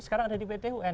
sekarang ada di pt wn